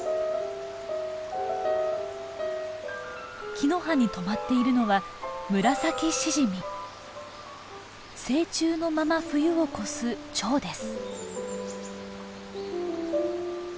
木の葉に止まっているのは成虫のまま冬を越すチョウです。